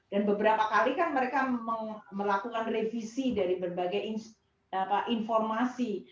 beberapa kali kan mereka melakukan revisi dari berbagai informasi